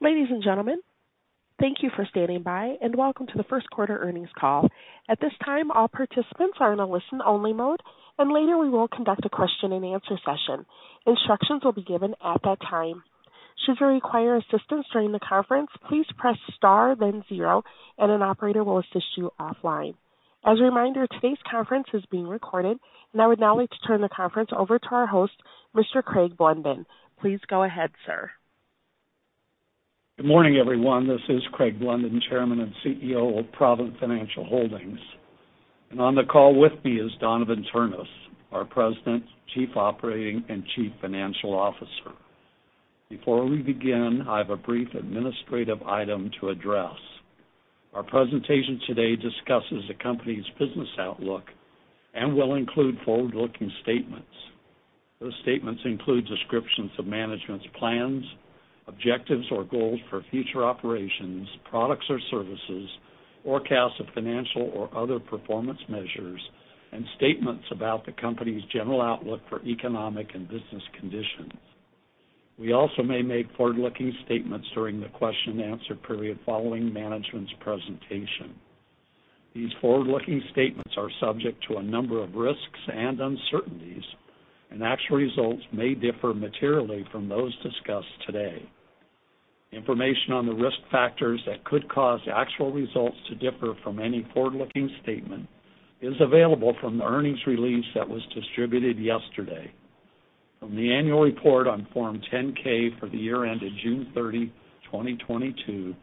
Ladies and gentlemen, thank you for standing by, and welcome to the first quarter earnings call. At this time, all participants are in a listen-only mode, and later we will conduct a question-and-answer session. Instructions will be given at that time. Should you require assistance during the conference, please press star then zero, and an operator will assist you offline. As a reminder, today's conference is being recorded. I would now like to turn the conference over to our host, Mr. Craig Blunden. Please go ahead, sir. Good morning, everyone. This is Craig Blunden, Chairman and CEO of Provident Financial Holdings. On the call with me is Donavon Ternes, our President, Chief Operating and Chief Financial Officer. Before we begin, I have a brief administrative item to address. Our presentation today discusses the company's business outlook and will include forward-looking statements. Those statements include descriptions of management's plans, objectives, or goals for future operations, products or services, forecasts of financial or other performance measures, and statements about the company's general outlook for economic and business conditions. We also may make forward-looking statements during the question-and-answer period following management's presentation. these forward-looking statements are subject to a number of risks and uncertainties, and actual results may differ materially from those discussed today. Information on the risk factors that could cause actual results to differ from any forward-looking statement is available from the earnings release that was distributed yesterday, from the annual report on Form 10-K for the year ended June 30, 2022,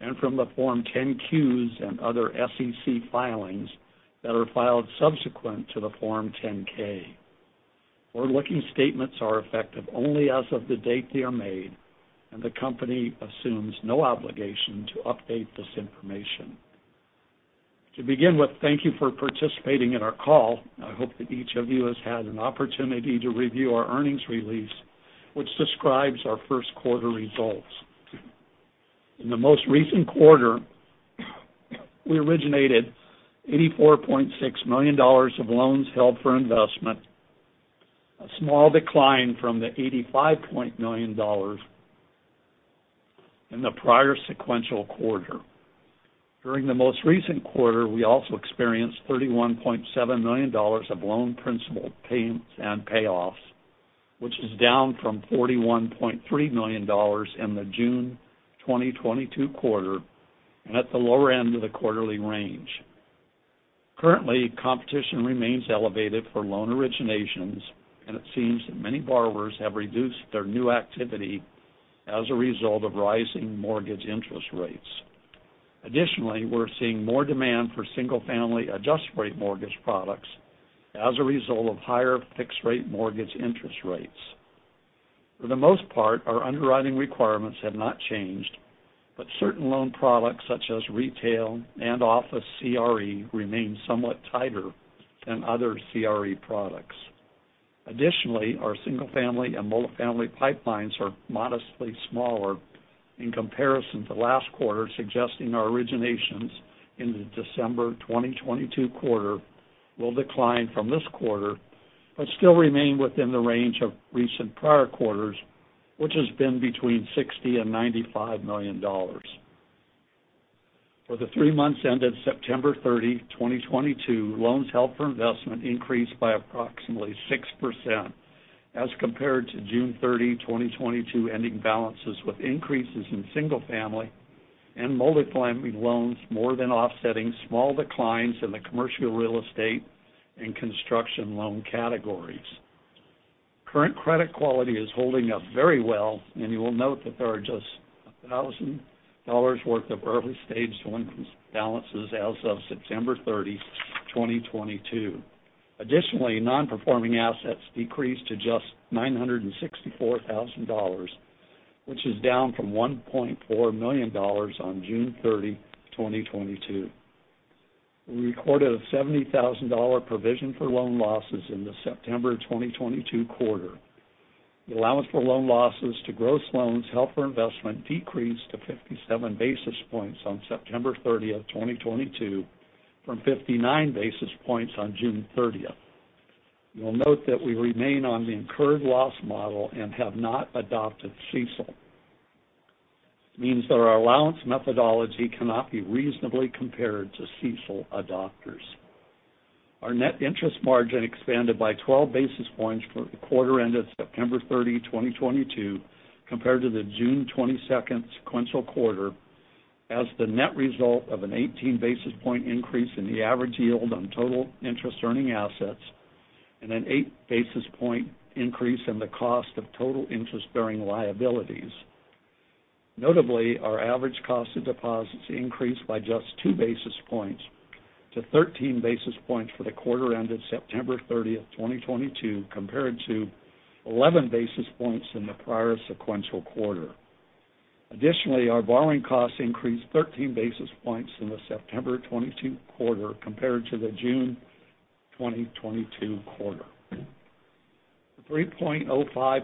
and from the Form 10-Qs and other SEC filings that are filed subsequent to the Form 10-K. Forward-looking statements are effective only as of the date they are made, and the company assumes no obligation to update this information. To begin with, thank you for participating in our call. I hope that each of you has had an opportunity to review our earnings release, which describes our first quarter results. In the most recent quarter, we originated $84.6 million of loans held for investment, a small decline from the $85.1 million in the prior sequential quarter. During the most recent quarter, we also experienced $31.7 million of loan principal payments and payoffs, which is down from $41.3 million in the June 2022 quarter and at the lower end of the quarterly range. Currently, competition remains elevated for loan originations, and it seems that many borrowers have reduced their new activity as a result of rising mortgage interest rates. Additionally, we're seeing more demand for single-family adjustable-rate mortgage products as a result of higher fixed-rate mortgage interest rates. For the most part, our underwriting requirements have not changed, but certain loan products such as retail and office CRE remain somewhat tighter than other CRE products. Additionally, our single-family and multifamily pipelines are modestly smaller in comparison to last quarter, suggesting our originations in the December 2022 quarter will decline from this quarter but still remain within the range of recent prior quarters, which has been between $60 million and $95 million. For the three months ended September 30, 2022, loans held for investment increased by approximately 6% as compared to June 30, 2022 ending balances with increases in single-family and multifamily loans more than offsetting small declines in the commercial real estate and construction loan categories. Current credit quality is holding up very well, and you will note that there are just $1,000 worth of early-stage delinquencies balances as of September 30, 2022. Additionally, non-performing assets decreased to just $964,000, which is down from $1.4 million on June 30, 2022. We recorded a $70,000 provision for loan losses in the September 2022 quarter. the allowance for loan losses to gross loans held for investment decreased to 57 basis points on September 30, 2022, from 59 basis points on June 30. You'll note that we remain on the incurred loss model and have not adopted CECL. It means that our allowance methodology cannot be reasonably compared to CECL adopters. Our net interest margin expanded by 12 basis points for the quarter ended September 30, 2022, compared to the June 30, 2022 sequential quarter as the net result of an 18 basis points increase in the average yield on total interest-earning assets and an 8 basis points increase in the cost of total interest-bearing liabilities. Notably, our average cost of deposits increased by just 2 basis points to 13 basis points for the quarter ended September 30, 2022, compared to 11 basis points in the prior sequential quarter. Additionally, our borrowing costs increased 13 basis points in the September 2022 quarter compared to the June 2022 quarter. the 3.05%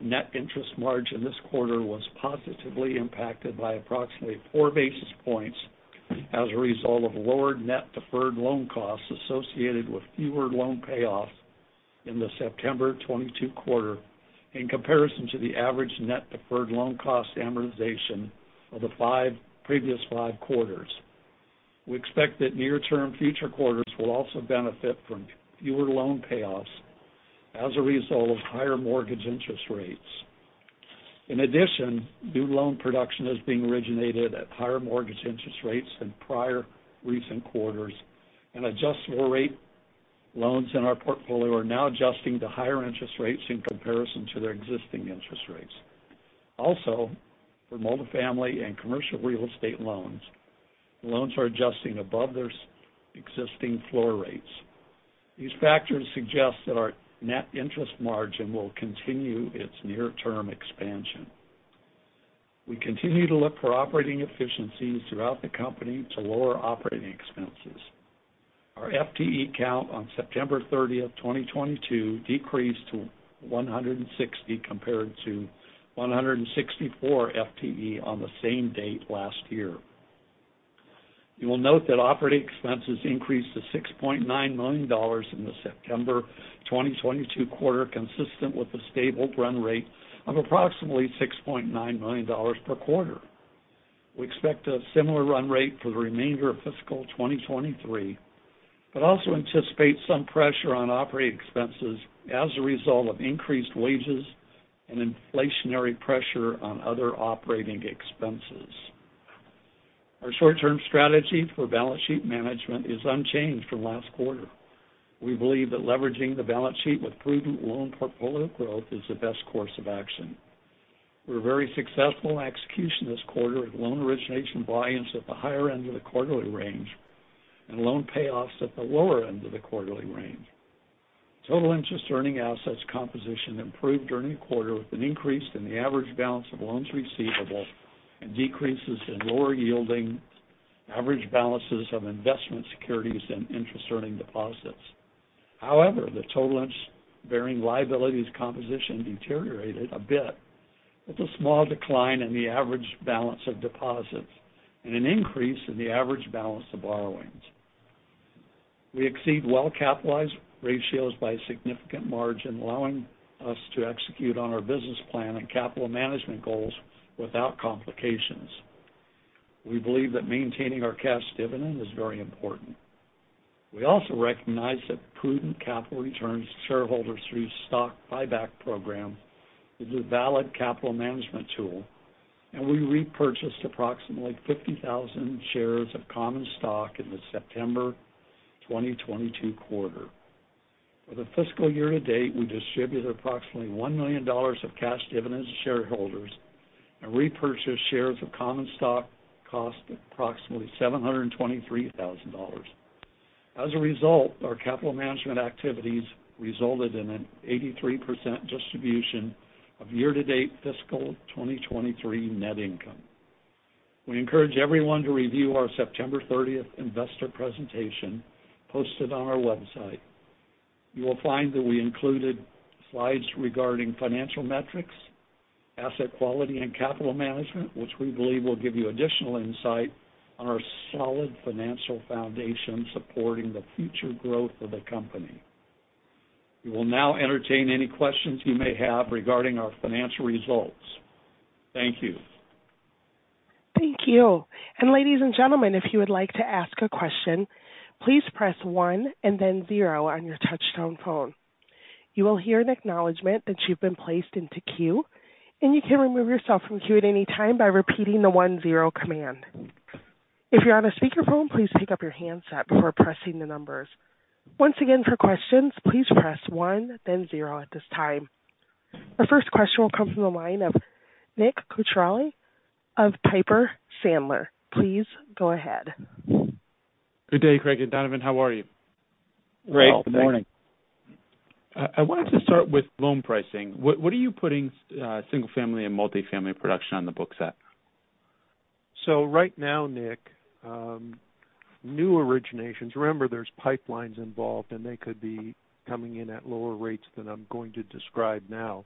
net interest margin this quarter was positively impacted by approximately four basis points as a result of lower net deferred loan costs associated with fewer loan payoffs. In the September 2022 quarter in comparison to the average net deferred loan cost amortization of the previous five quarters. We expect that near-term future quarters will also benefit from fewer loan payoffs as a result of higher mortgage interest rates. In addition, new loan production is being originated at higher mortgage interest rates than prior recent quarters, and adjustable rate loans in our portfolio are now adjusting to higher interest rates in comparison to their existing interest rates. Also, for multifamily and commercial real estate loans, the loans are adjusting above their existing floor rates. these factors suggest that our net interest margin will continue its near-term expansion. We continue to look for operating efficiencies throughout the company to lower operating expenses. Our FTE count on September 30, 2022 decreased to 160FTE compared to 164 FTE on the same date last year. You will note that operating expenses increased to $6.9 million in the September 2022 quarter, consistent with a stable run rate of approximately $6.9 million per quarter. We expect a similar run rate for the remainder of fiscal 2023, but also anticipate some pressure on operating expenses as a result of increased wages and inflationary pressure on other operating expenses. Our short-term strategy for balance sheet management is unchanged from last quarter. We believe that leveraging the balance sheet with prudent loan portfolio growth is the best course of action. We were very successful in execution this quarter with loan origination volumes at the higher end of the quarterly range and loan payoffs at the lower end of the quarterly range. Total interest earning assets composition improved during the quarter with an increase in the average balance of loans receivable and decreases in lower yielding average balances of investment securities and interest earning deposits. However, the total interest-bearing liabilities composition deteriorated a bit with a small decline in the average balance of deposits and an increase in the average balance of borrowings. We exceed well-capitalized ratios by a significant margin, allowing us to execute on our business plan and capital management goals without complications. We believe that maintaining our cash dividend is very important. We also recognize that prudent capital returns to shareholders through stock buyback program is a valid capital management tool, and we repurchased approximately 50,000 shares of common stock in the September 2022 quarter. For the fiscal year to date, we distributed approximately $1 million of cash dividends to shareholders and repurchased shares of common stock cost approximately $723,000. As a result, our capital management activities resulted in an 83% distribution of year-to-date fiscal 2023 net income. We encourage everyone to review our September 30th investor presentation posted on our website. You will find that we included slides regarding financial metrics, asset quality, and capital management, which we believe will give you additional insight on our solid financial foundation supporting the future growth of the company. We will now entertain any questions you may have regarding our financial results. Thank you. Thank you. Ladies and gentlemen, if you would like to ask a question, please press one and then zero on your touchtone phone. Our first question will come from the line of Nick Cucharale of Piper Sandler. Please go ahead. Good day, Craig and Donavon. How are you? Great, good morning. Well, thank you. I wanted to start with loan pricing. What are you putting single family and multifamily production on the books at? Right now, Nick, new originations. Remember, there's pipelines involved, and they could be coming in at lower rates than I'm going to describe now.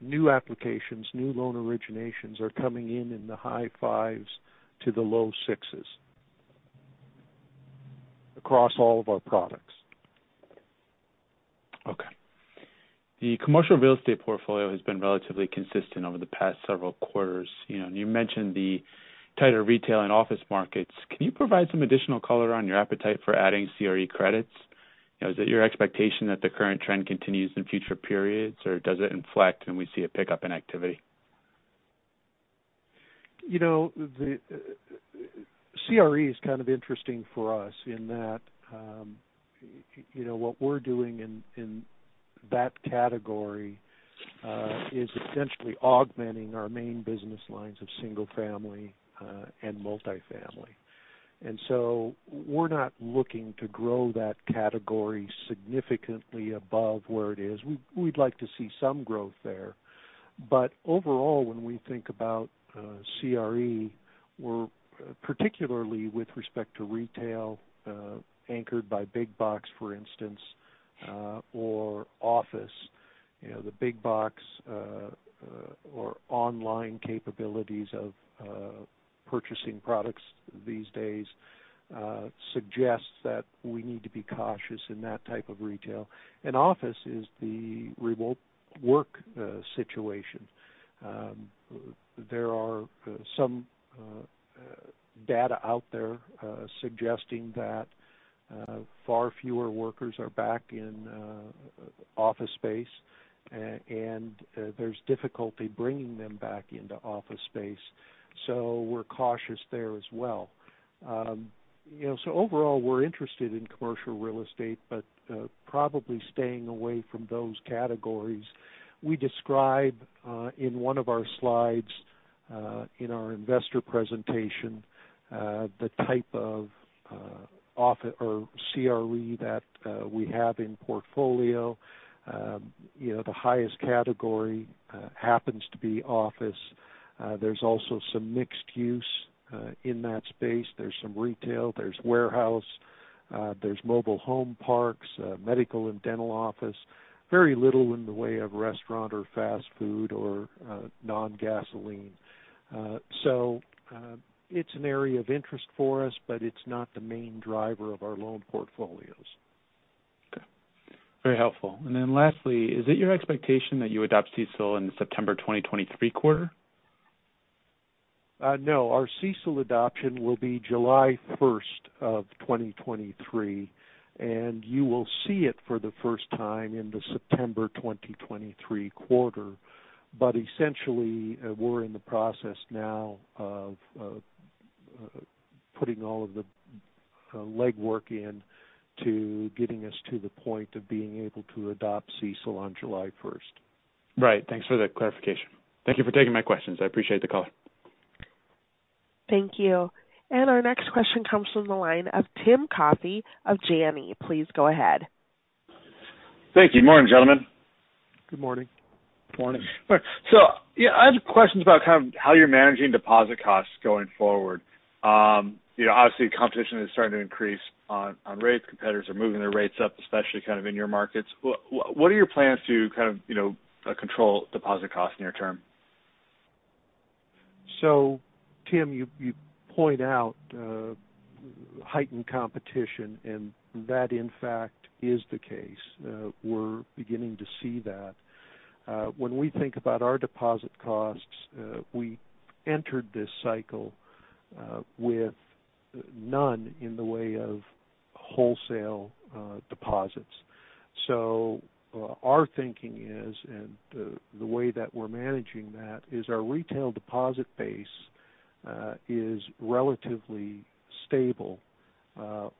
New applications, new loan originations are coming in the high fives to the low sixes across all of our products. Okay. the commercial real estate portfolio has been relatively consistent over the past several quarters. You know, you mentioned the tighter retail and office markets. Can you provide some additional color on your appetite for adding CRE credits? You know, is it your expectation that the current trend continues in future periods, or does it inflect and we see a pickup in activity? You know, the CRE is kind of interesting for us in that, you know, what we're doing in that category is essentially augmenting our main business lines of single family and multifamily. We're not looking to grow that category significantly above where it is. We'd like to see some growth there. Overall, when we think about CRE, we're particularly with respect to retail anchored by Big Box, for instance, or office. You know, the Big Box or online capabilities of purchasing products these days suggests that we need to be cautious in that type of retail. In office is the remote work situation. there are some data out there suggesting that far fewer workers are back in office space, and there's difficulty bringing them back into office space. We're cautious there as well. You know, overall, we're interested in commercial real estate, but probably staying away from those categories. We describe in one of our slides in our investor presentation the type of office or CRE that we have in portfolio. You know, the highest category happens to be office. there's also some mixed use in that space. there's some retail, there's warehouse, there's mobile home parks, medical and dental office. Very little in the way of restaurant or fast food or non-gasoline. It's an area of interest for us, but it's not the main driver of our loan portfolios. Okay. Very helpful. Lastly, is it your expectation that you adopt CECL in the September 2023 quarter? No, our CECL adoption will be July 1, 2023, and you will see it for the first time in the September 2023 quarter. Essentially, we're in the process now of putting all of the legwork into getting us to the point of being able to adopt CECL on July 1, 2023. Right. Thanks for the clarification. Thank you for taking my questions. I appreciate the call. Thank you. Our next question comes from the line of Tim Coffey of Janney. Please go ahead. Thank you. Morning, gentlemen. Good morning. Morning. Yeah, I have questions about kind of how you're managing deposit costs going forward. You know, obviously competition is starting to increase on rates. Competitors are moving their rates up, especially kind of in your markets. What are your plans to kind of, you know, control deposit costs near term? Tim, you point out heightened competition, and that in fact is the case. We're beginning to see that. When we think about our deposit costs, we entered this cycle with none in the way of wholesale deposits. Our thinking is, and the way that we're managing that, is our retail deposit base is relatively stable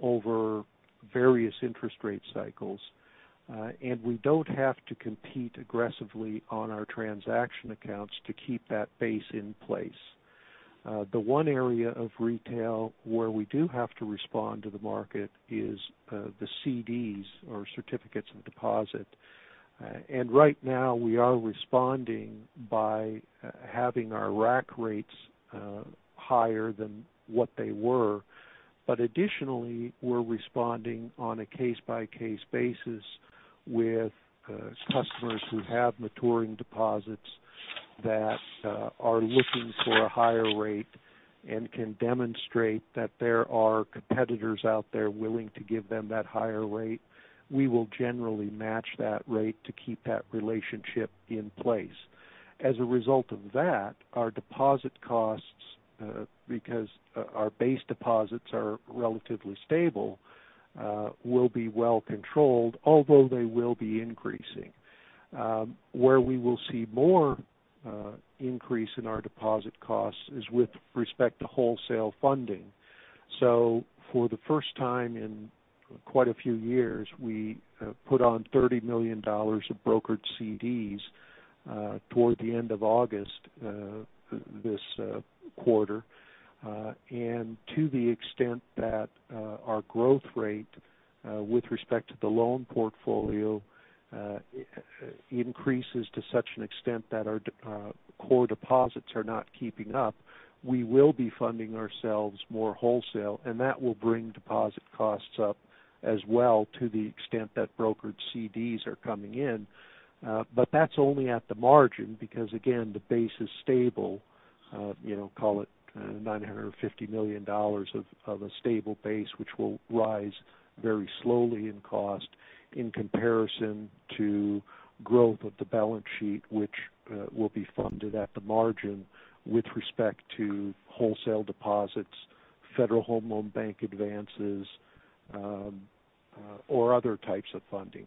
over various interest rate cycles. We don't have to compete aggressively on our transaction accounts to keep that base in place. the one area of retail where we do have to respond to the market is the CDs or certificates of deposit. Right now we are responding by having our rack rates higher than what they were. Additionally, we're responding on a case-by-case basis with customers who have maturing deposits that are looking for a higher rate and can demonstrate that there are competitors out there willing to give them that higher rate. We will generally match that rate to keep that relationship in place. As a result of that, our deposit costs, because our base deposits are relatively stable, will be well controlled, although they will be increasing. Where we will see more increase in our deposit costs is with respect to wholesale funding. For the first time in quite a few years, we put on $30 million of brokered CDs toward the end of August this quarter. To the extent that our growth rate with respect to the loan portfolio increases to such an extent that our core deposits are not keeping up, we will be funding ourselves more wholesale, and that will bring deposit costs up as well to the extent that brokered CDs are coming in. that's only at the margin because again, the base is stable. You know, call it $950 million of a stable base, which will rise very slowly in cost in comparison to growth of the balance sheet, which will be funded at the margin with respect to wholesale deposits, Federal Home Loan Bank advances, or other types of funding.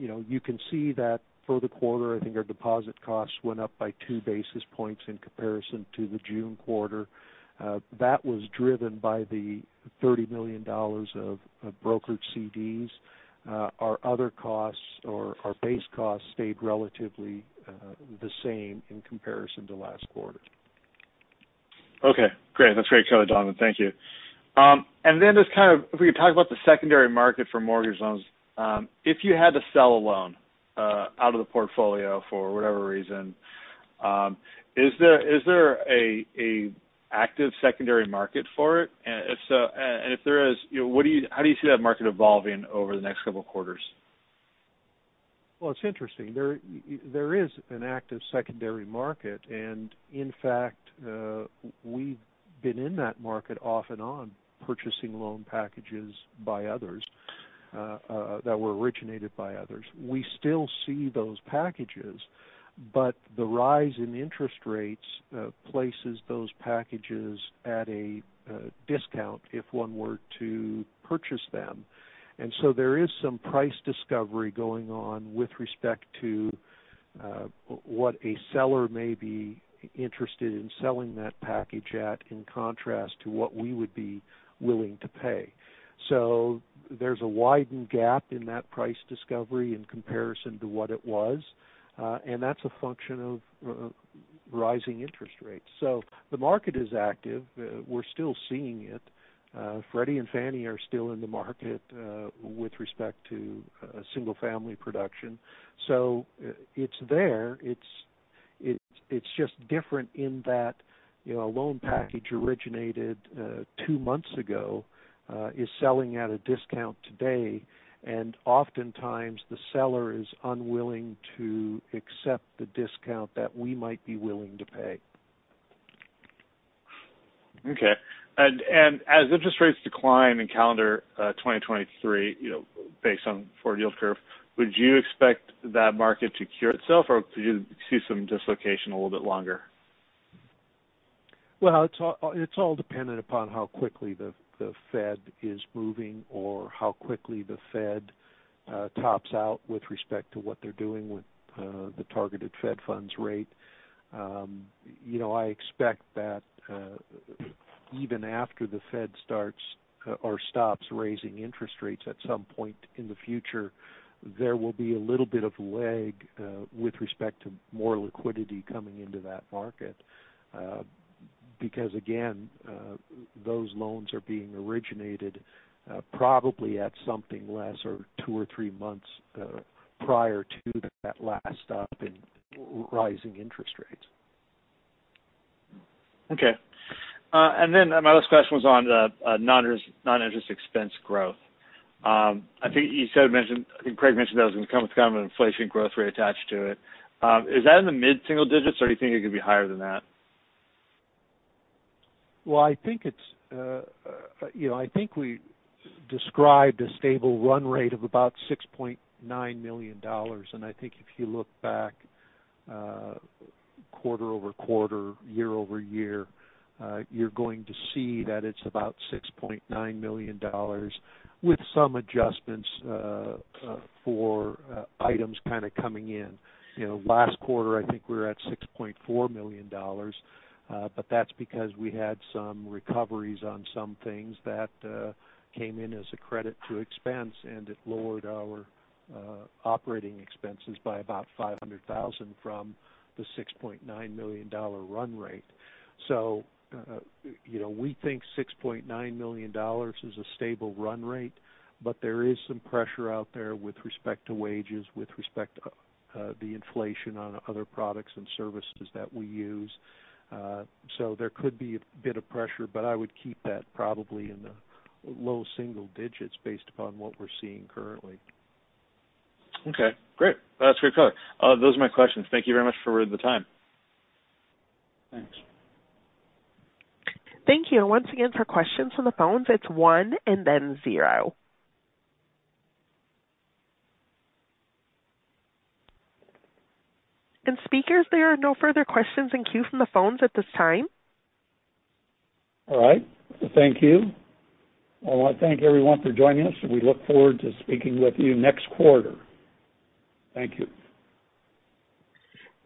You know, you can see that for the quarter, I think our deposit costs went up by two basis points in comparison to the June quarter. that was driven by the $30 million of brokered CDs. Our other costs or our base costs stayed relatively the same in comparison to last quarter. Okay, great. that's great color, Donavon. Thank you. Just kind of if we could talk about the secondary market for mortgage loans. If you had to sell a loan out of the portfolio for whatever reason, is there an active secondary market for it? If there is, you know, how do you see that market evolving over the next couple quarters? Well, it's interesting. there is an active secondary market. In fact, we've been in that market off and on purchasing loan packages by others that were originated by others. We still see those packages, but the rise in interest rates places those packages at a discount if one were to purchase them. there is some price discovery going on with respect to what a seller may be interested in selling that package at in contrast to what we would be willing to pay. there's a widened gap in that price discovery in comparison to what it was. that's a function of rising interest rates. the market is active. We're still seeing it. Freddie and Fannie are still in the market with respect to single family production. It's there. It's just different in that, you know, a loan package originated two months ago is selling at a discount today. Oftentimes, the seller is unwilling to accept the discount that we might be willing to pay. Okay. As interest rates decline in calendar 2023, you know, based on forward yield curve, would you expect that market to cure itself or could you see some dislocation a little bit longer? Well, it's all dependent upon how quickly the Fed is moving or how quickly the Fed tops out with respect to what they're doing with the targeted Fed funds rate. You know, I expect that even after the Fed starts or stops raising interest rates at some point in the future, there will be a little bit of lag with respect to more liquidity coming into that market. Because again, those loans are being originated probably at something like two or three months prior to that last stop in rising interest rates. Okay. then my last question was on the non-interest expense growth. I think you sort of mentioned, I think Craig mentioned there was some kind of an inflation growth rate attached to it. Is that in the mid-single digits, or do you think it could be higher than that? Well, I think it's, you know, I think we described a stable run rate of about $6.9 million. I think if you look back, quarter-over-quarter, year-over-year, you're going to see that it's about $6.9 million with some adjustments, for items kinda coming in. You know, last quarter, I think we were at $6.4 million, but that's because we had some recoveries on some things that came in as a credit to expense, and it lowered our operating expenses by about $500,000 from the $6.9 million run rate. You know, we think $6.9 million is a stable run rate, but there is some pressure out there with respect to wages, with respect to the inflation on other products and services that we use. there could be a bit of pressure, but I would keep that probably in the low single digits based upon what we're seeing currently. Okay, great. that's great color. Those are my questions. Thank you very much for the time. Thanks. Thank you. Once again, for questions from the phones, it's one and then zero. Speakers, there are no further questions in queue from the phones at this time. All right. Thank you. I wanna thank everyone for joining us, and we look forward to speaking with you next quarter. Thank you.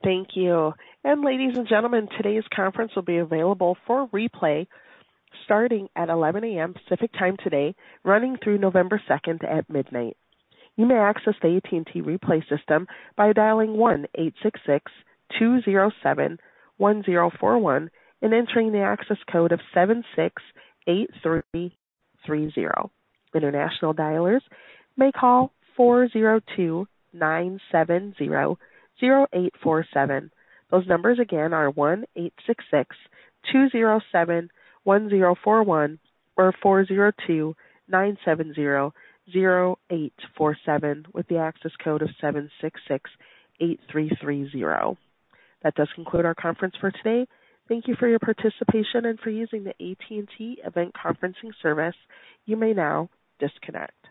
Thank you. Ladies and gentlemen, today's conference will be available for replay starting at 11 A.M. Pacific Time today, running through November 2 at midnight. You may access the AT&T replay system by dialing 1-866-207-1041 and entering the access code of 768330. International dialers may call 402-970-0847. Those numbers again are 1-866-207-1041 or 402-970-0847, with the access code of 768330. that does conclude our conference for today. Thank you for your participation and for using the AT&T event conferencing service. You may now disconnect.